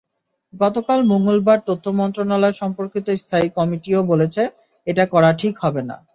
গতকাল মঙ্গলবার তথ্য মন্ত্রণালয়-সম্পর্কিত স্থায়ী কমিটিও বলেছে, এটা করা ঠিক হবে না।